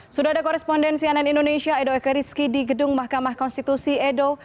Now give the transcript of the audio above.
sudah ada korespondensi ann indonesia edo eka rizky di gedung mahkamah konstitusi edo